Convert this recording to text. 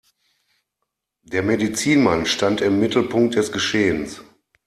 Der Medizinmann stand im Mittelpunkt des Geschehens.